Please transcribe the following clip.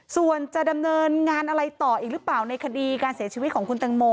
ส่วนจะดำเนินงานอะไรต่ออีกหรือเปล่าในคดีการเสียชีวิตของคุณตังโม